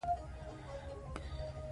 افغانستان د سمندر نه شتون لپاره مشهور دی.